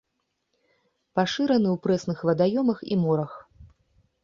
Пашыраны ў прэсных вадаёмах і морах.